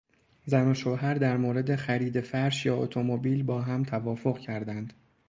زن و شوهر در مورد خرید فرش یا اتومبیل با هم توافق کردند.